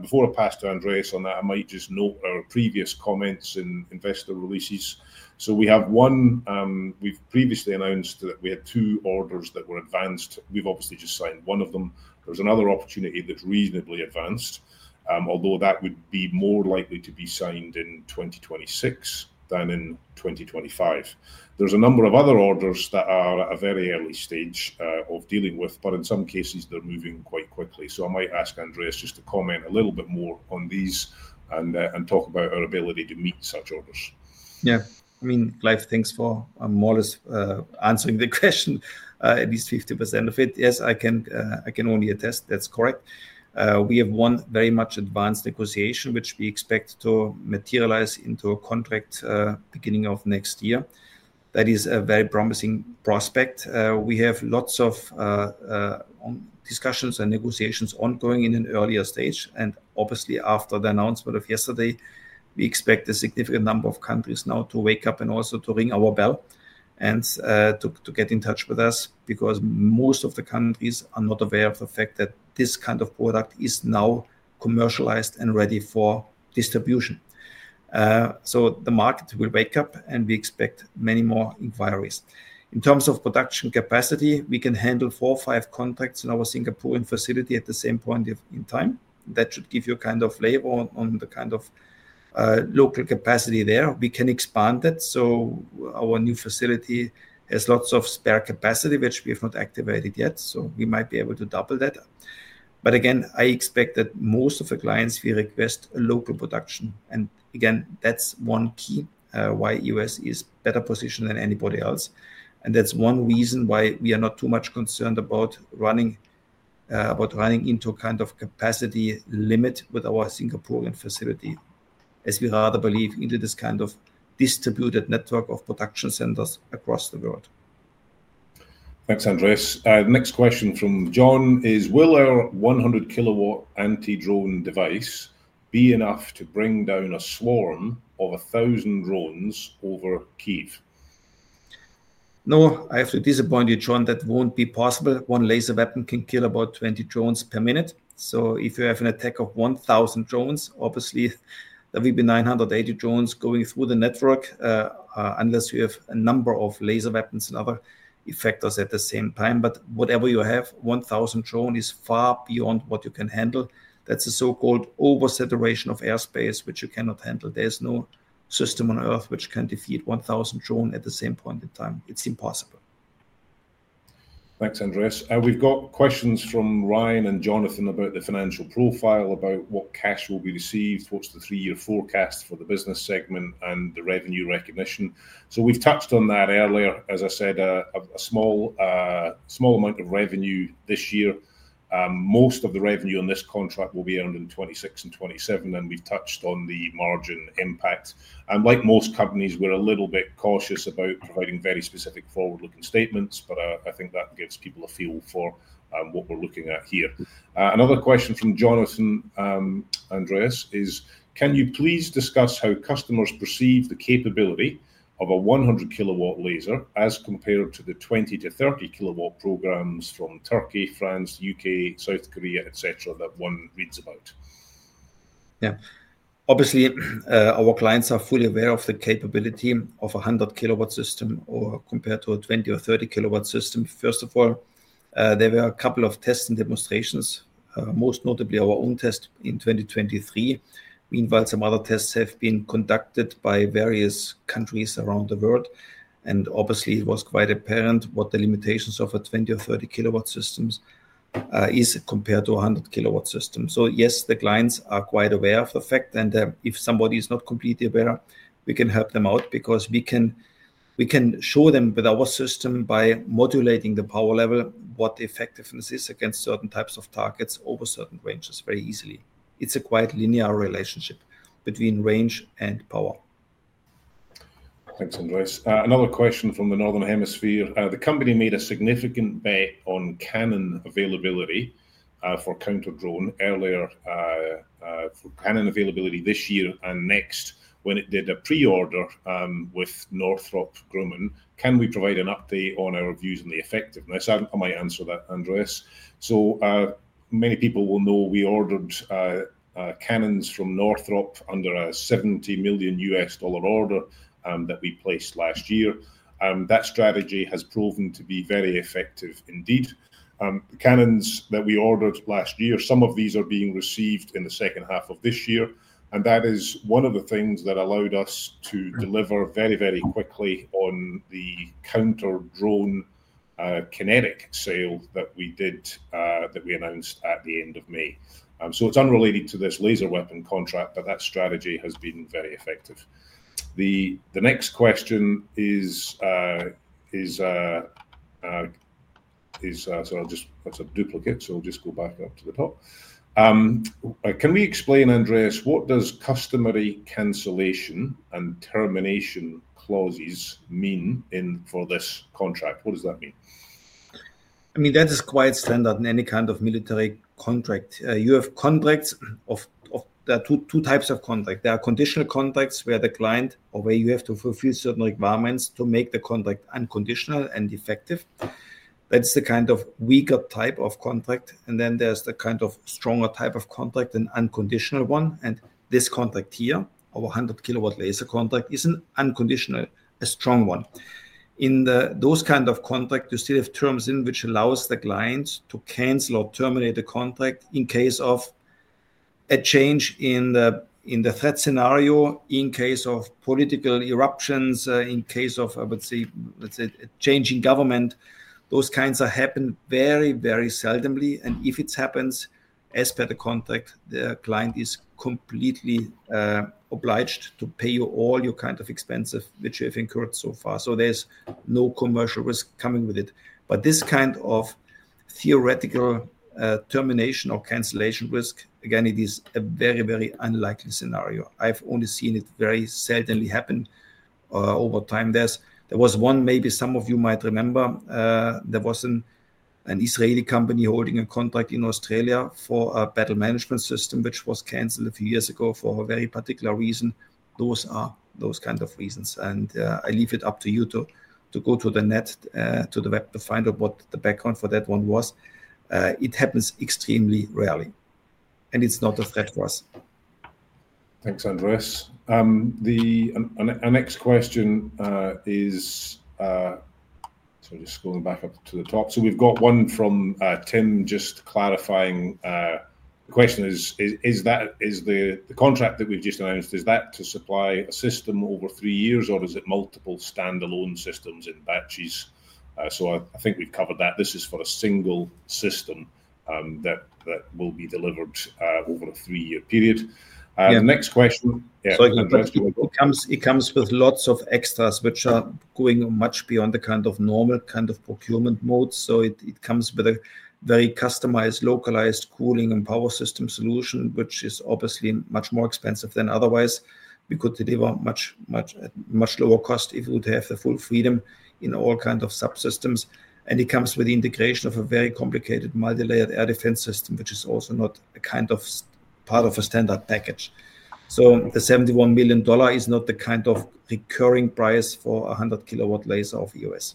Before I pass to Andreas on that, I might just note our previous comments in investor releases. We have one. We've previously announced that we had two orders that were advanced. We've obviously just signed one of them. There's another opportunity that's reasonably advanced, although that would be more likely to be signed in 2026 than in 2025. There's a number of other orders that are at a very early stage of dealing with, but in some cases, they're moving quite quickly. I might ask Andreas just to comment a little bit more on these and talk about our ability to meet such orders. Yeah. I mean, Clive, thanks for more or less answering the question, at least 50% of it. Yes, I can only attest that's correct. We have one very much advanced negotiation which we expect to materialize into a contract beginning of next year. That is a very promising prospect. We have lots of discussions and negotiations ongoing in an earlier stage. Obviously, after the announcement of yesterday, we expect a significant number of countries now to wake up and also to ring our bell and to get in touch with us because most of the countries are not aware of the fact that this kind of product is now commercialized and ready for distribution. The market will wake up, and we expect many more inquiries. In terms of production capacity, we can handle four or five contracts in our Singapore facility at the same point in time. That should give you a kind of flavor on the kind of local capacity there. We can expand it. Our new facility has lots of spare capacity, which we have not activated yet. We might be able to double that. I expect that most of the clients will request a local production. That is one key why EOS is better positioned than anybody else. That is one reason why we are not too much concerned about running into a kind of capacity limit with our Singapore facility, as we rather believe in this kind of distributed network of production centers across the world. Thanks, Andreas. Next question from John is, will our 100 kW anti-drone device be enough to bring down a swarm of 1,000 drones over Kyiv? No, I have to disappoint you, John. That won't be possible. One laser weapon can kill about 20 drones per minute. If you have an attack of 1,000 drones, obviously, there will be 980 drones going through the network unless you have a number of laser weapons and other effectors at the same time. Whatever you have, 1,000 drones is far beyond what you can handle. That's a so-called oversaturation of airspace, which you cannot handle. There is no system on Earth which can defeat 1,000 drones at the same point in time. It's impossible. Thanks, Andreas. We've got questions from Ryan and Jonathan about the financial profile, about what cash will be received, what's the three-year forecast for the business segment, and the revenue recognition. We've touched on that earlier. As I said, a small amount of revenue this year. Most of the revenue in this contract will be earned in 2026 and 2027, and we've touched on the margin impact. Like most companies, we're a little bit cautious about providing very specific forward-looking statements, but I think that gives people a feel for what we're looking at here. Another question from Jonathan, Andreas, is, can you please discuss how customers perceive the capability of a 100 kW laser as compared to the 20-30 kW programs from Turkey, France, U.K., South Korea, et cetera, that one reads about? Yeah. Obviously, our clients are fully aware of the capability of a 100 kW system compared to a 20 or 30 kW system. First of all, there were a couple of tests and demonstrations, most notably our own test in 2023. Meanwhile, some other tests have been conducted by various countries around the world. It was quite apparent what the limitations of a 20 or 30 kW system is compared to a 100 kW system. Yes, the clients are quite aware of the fact. If somebody is not completely aware, we can help them out because we can show them with our system by modulating the power level what the effectiveness is against certain types of targets over certain ranges very easily. It's a quite linear relationship between range and power. Thanks, Andreas. Another question from the Northern Hemisphere. The company made a significant bet on cannon availability for counter-drone earlier, for cannon availability this year and next when it did a pre-order with Northrop Grumman. Can we provide an update on our views on the effectiveness? I might answer that, Andreas. Many people will know we ordered cannons from Northrop under a $70 million order that we placed last year. That strategy has proven to be very effective indeed. The cannons that we ordered last year, some of these are being received in the second half of this year. That is one of the things that allowed us to deliver very, very quickly on the counter-drone kinetic sale that we did, that we announced at the end of May. It is unrelated to this laser weapon contract, but that strategy has been very effective. The next question is, sorry, that's a duplicate, so I'll just go back to the top. Can we explain, Andreas, what does customary cancellation and termination clauses mean for this contract? What does that mean? I mean, that is quite standard in any kind of military contract. You have contracts of, there are two types of contracts. There are conditional contracts where the client or where you have to fulfill certain requirements to make the contract unconditional and effective. That's the kind of weaker type of contract. Then there's the kind of stronger type of contract, an unconditional one. This contract here, our 100 kW laser contract, is an unconditional, a strong one. In those kinds of contracts, you still have terms which allow the clients to cancel or terminate a contract in case of a change in the threat scenario, in case of political eruptions, in case of, let's say, a change in government. Those kinds happen very, very seldomly. If it happens, as per the contract, the client is completely obliged to pay you all your kind of expenses which you have incurred so far. There's no commercial risk coming with it. This kind of theoretical termination or cancellation risk, again, it is a very, very unlikely scenario. I've only seen it very seldomly happen over time. There was one, maybe some of you might remember. There was an Israeli company holding a contract in Australia for a battle management system which was canceled a few years ago for a very particular reason. Those are those kinds of reasons. I leave it up to you to go to the net, to the web, to find out what the background for that one was. It happens extremely rarely. It's not a threat for us. Thanks, Andreas. The next question is, I'm just scrolling back up to the top. We've got one from Tim just clarifying. The question is, is the contract that we've just announced to supply a system over three years, or is it multiple standalone systems in batches? I think we've covered that. This is for a single system that will be delivered over a three-year period. Next question. Yeah. It comes with lots of extras, which are going much beyond the kind of normal procurement modes. It comes with a very customized, localized cooling and power system solution, which is obviously much more expensive than otherwise. We could deliver at much lower cost if we would have the full freedom in all kinds of subsystems. It comes with the integration of a very complicated multi-layered air defense system, which is also not a part of a standard package. The 71 million dollar is not the recurring price for a 100 kW laser of EOS.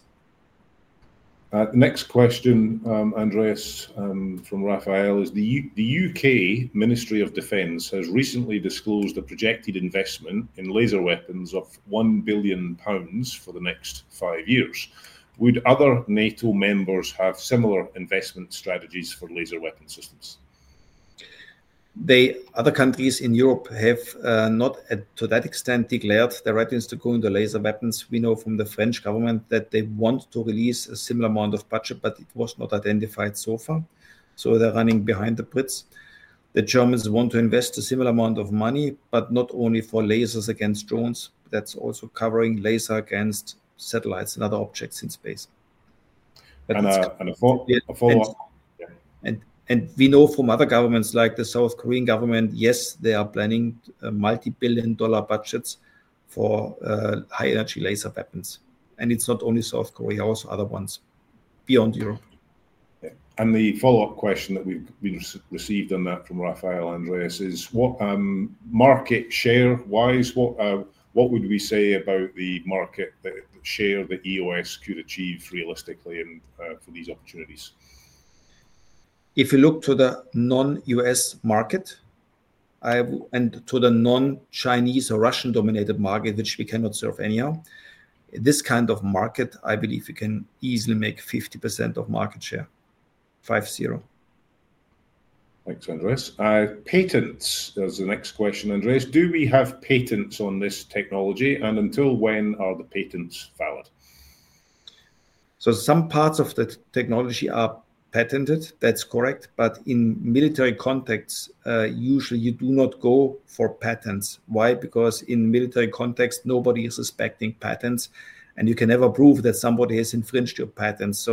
Next question, Andreas, from Raphael is, the U.K. Ministry of Defense has recently disclosed a projected investment in laser weapons of 1 billion pounds for the next five years. Would other NATO members have similar investment strategies for laser weapon systems? The other countries in Europe have not, to that extent, declared their readiness to go into laser weapons. We know from the French government that they want to release a similar amount of budget, but it was not identified so far. They're running behind the Brits. The Germans want to invest a similar amount of money, but not only for lasers against drones. That's also covering laser against satellites and other objects in space. A follow-up. We know from other governments like the South Korean government, yes, they are planning multi-billion dollar budgets for high-energy laser weapons. It is not only South Korea, also other ones beyond Europe. The follow-up question that we've received on that from Raphael, Andreas, is, what market share-wise, what would we say about the market share that EOS could achieve realistically for these opportunities? If you look to the non-EOS market and to the non-Chinese or Russian-dominated market, which we cannot serve anywhere, this kind of market, I believe we can easily make 50% of market share, five-zero. Thanks, Andreas. Patents is the next question. Andreas, do we have patents on this technology, and until when are the patents valid? Some parts of the technology are patented. That's correct. In military context, usually you do not go for patents. Why? Because in military context, nobody is suspecting patents, and you can never prove that somebody has infringed your patents.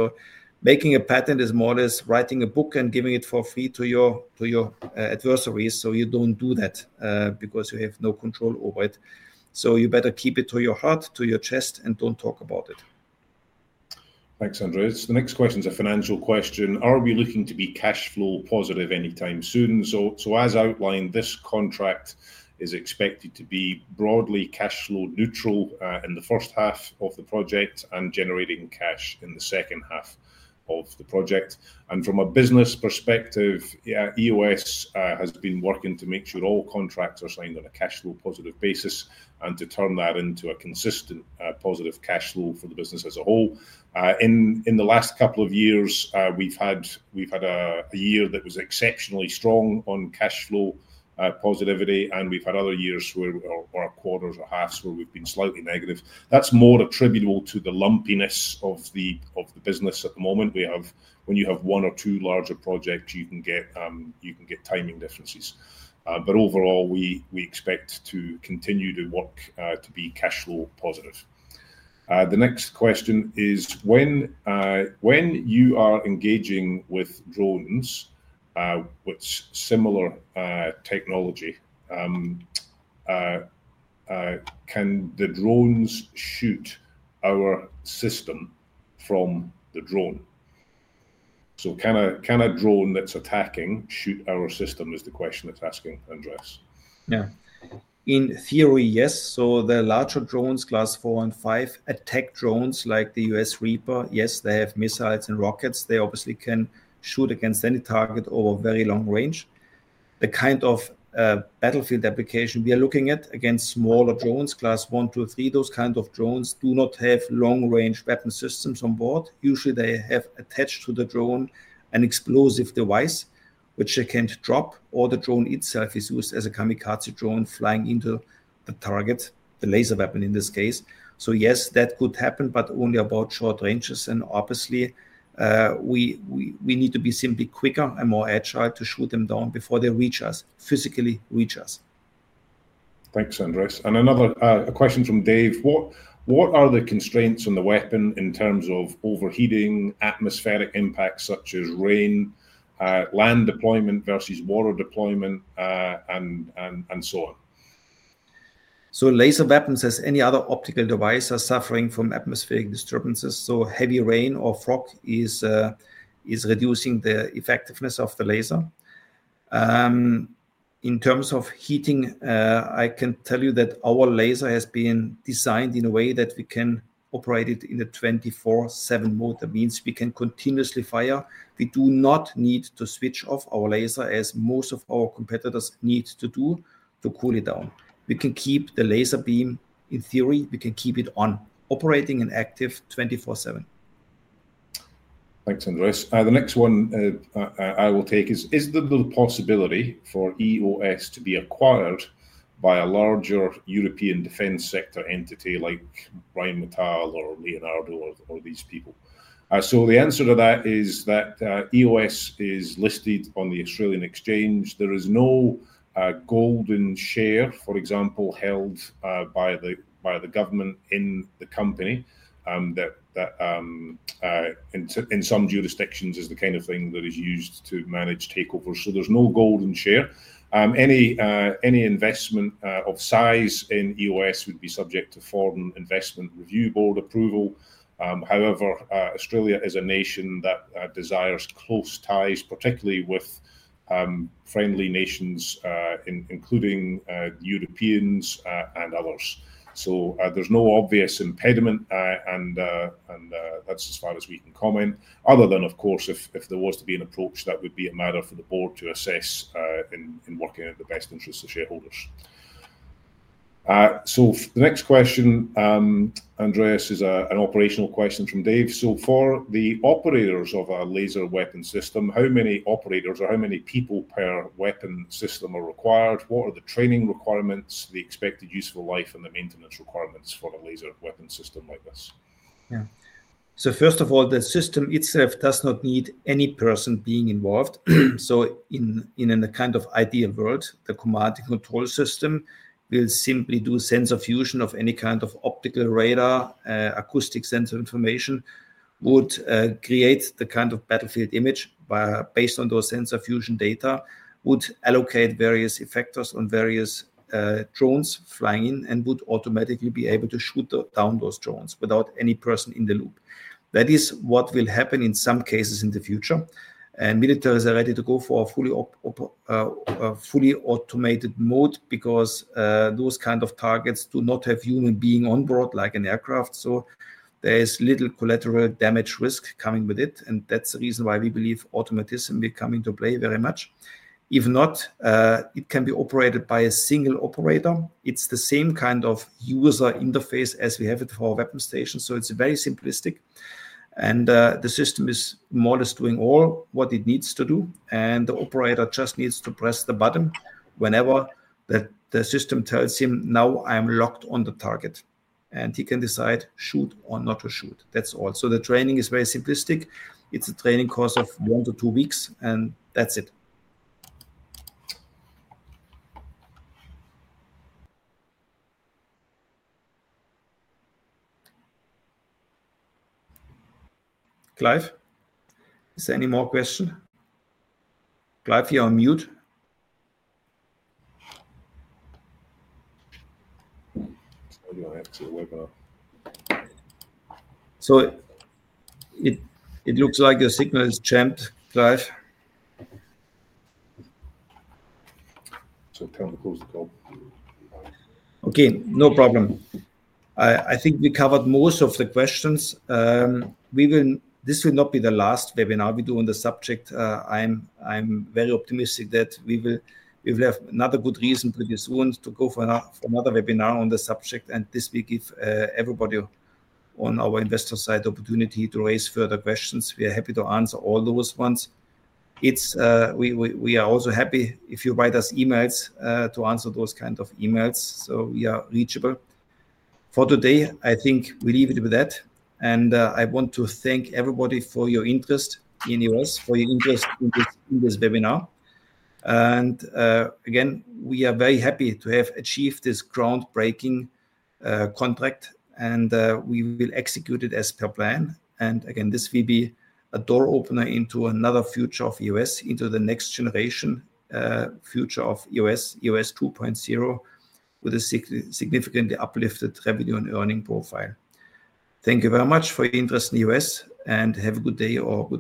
Making a patent is more or less writing a book and giving it for free to your adversaries. You don't do that because you have no control over it. You better keep it to your heart, to your chest, and don't talk about it. Thanks, Andreas. The next question is a financial question. Are we looking to be cash flow positive anytime soon? As outlined, this contract is expected to be broadly cash flow neutral in the first half of the project and generating cash in the second half of the project. From a business perspective, EOS has been working to make sure all contracts are signed on a cash flow positive basis and to turn that into a consistent positive cash flow for the business as a whole. In the last couple of years, we've had a year that was exceptionally strong on cash flow positivity, and we've had other years where our quarters or halves where we've been slightly negative. That's more attributable to the lumpiness of the business at the moment. When you have one or two larger projects, you can get timing differences. Overall, we expect to continue to work to be cash flow positive. The next question is, when you are engaging with drones, which is similar technology, can the drones shoot our system from the drone? Can a drone that's attacking shoot our system is the question it's asking, Andreas? Yeah. In theory, yes. The larger drones, class four and five, attack drones like the U.S. Reaper, yes, they have missiles and rockets. They obviously can shoot against any target over a very long range. The kind of battlefield application we are looking at against smaller drones, class one, two, three, those kinds of drones do not have long-range weapon systems on board. Usually, they have attached to the drone an explosive device which they can drop, or the drone itself is used as a kamikaze drone flying into the target, the laser weapon in this case. Yes, that could happen, but only about short ranges. Obviously, we need to be simply quicker and more agile to shoot them down before they reach us, physically reach us. Thanks, Andreas. Another question from Dave. What are the constraints on the weapon in terms of overheating, atmospheric impacts such as rain, land deployment versus water deployment, and so on? Laser weapons, as any other optical device, are suffering from atmospheric disturbances. Heavy rain or fog is reducing the effectiveness of the laser. In terms of heating, I can tell you that our laser has been designed in a way that we can operate it in a 24/7 mode. That means we can continuously fire. We do not need to switch off our laser as most of our competitors need to do to cool it down. We can keep the laser beam, in theory, we can keep it on, operating and active 24/7. Thanks, Andreas. The next one I will take is, is there the possibility for EOS to be acquired by a larger European defense sector entity like Rheinmetall or Leonardo or these people? The answer to that is that EOS is listed on the Australian Exchange. There is no golden share, for example, held by the government in the company. In some jurisdictions, it's the kind of thing that is used to manage takeovers. There's no golden share. Any investment of size in EOS would be subject to Foreign Investment Review Board approval. However, Australia is a nation that desires close ties, particularly with friendly nations, including the Europeans and others. There's no obvious impediment, and that's as far as we can comment, other than, of course, if there was to be an approach, that would be a matter for the board to assess in working out the best interests of shareholders. The next question, Andreas, is an operational question from Dave. For the operators of our laser weapon system, how many operators or how many people per weapon system are required? What are the training requirements, the expected useful life, and the maintenance requirements for a laser weapon system like this? Yeah. First of all, the system itself does not need any person being involved. In a kind of ideal world, the command and control system will simply do sensor fusion of any kind of optical, radar, acoustic sensor information would create the kind of battlefield image where, based on those sensor fusion data, would allocate various effectors on various drones flying in and would automatically be able to shoot down those drones without any person in the loop. That is what will happen in some cases in the future. Militaries are ready to go for a fully automated mode because those kinds of targets do not have a human being on board like an aircraft. There is little collateral damage risk coming with it. That's the reason why we believe automatism will come into play very much. If not, it can be operated by a single operator. It's the same kind of user interface as we have it for our weapon stations. It's very simplistic. The system is modest, doing all what it needs to do, and the operator just needs to press the button whenever the system tells him, "Now I'm locked on the target." He can decide to shoot or not to shoot. That's all. The training is very simplistic. It's a training course of one to two weeks. That's it. Clive? Is there any more question? Clive, you're on mute. I'm live. <audio distortion> It looks like your signal is jammed, Clive. It's time to close the call. Okay. No problem. I think we covered most of the questions. This will not be the last webinar we do on the subject. I'm very optimistic that we will have another good reason pretty soon to go for another webinar on the subject. This will give everybody on our investor side the opportunity to raise further questions. We are happy to answer all those ones. We are also happy if you write us emails, to answer those kinds of emails. We are reachable. For today, I think we leave it with that. I want to thank everybody for your interest in EOS, for your interest in this webinar. We are very happy to have achieved this groundbreaking contract. We will execute it as per plan. This will be a door opener into another future of EOS, into the next generation, future of EOS, EOS 2.0, with a significantly uplifted revenue and earning profile. Thank you very much for your interest in EOS. Have a good day.